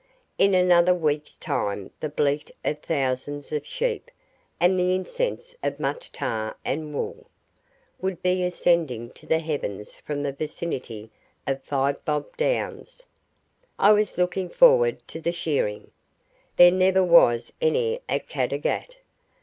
In another week's time the bleat of thousands of sheep, and the incense of much tar and wool, would be ascending to the heavens from the vicinity of Five Bob Downs. I was looking forward to the shearing. There never was any at Caddagat.